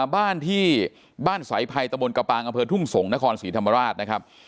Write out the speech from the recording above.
บ้านที่บ้านสายภัยตะบนกระปางอำเภอทุ่งสงศ์นครศรีธรรมราชนะครับ